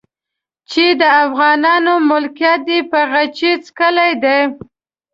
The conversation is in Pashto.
چې د افغانانو ملکيت دی په قيچي څکلي دي.